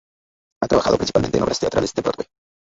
Ha trabajado principalmente en obras teatrales de Broadway.